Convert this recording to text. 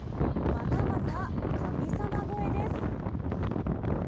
またまた神様超えです。